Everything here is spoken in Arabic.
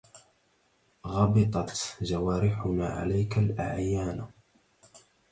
غبطت جوارحنا عليك الأعينا